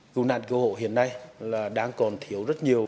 cứu nạn cứu hộ hiện nay là đang còn thiếu rất nhiều